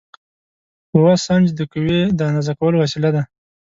قوه سنج د قوې د اندازه کولو وسیله ده.